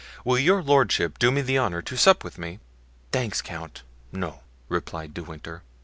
Will your lordship do me the honor to sup with me?" "Thanks, count, no," replied De Winter.